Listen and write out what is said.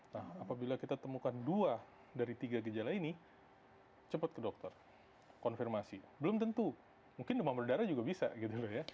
nah apabila kita temukan dua dari tiga gejala ini cepat ke dokter konfirmasi belum tentu mungkin demam berdarah juga bisa gitu loh ya